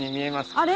あれ？